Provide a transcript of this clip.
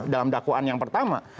dalam dakuan yang pertama